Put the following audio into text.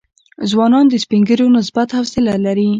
ځوانان د سپین ږیرو نسبت حوصله لري.